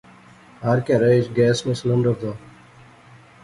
ہر کہرا اچ گیس نا سلنڈر زا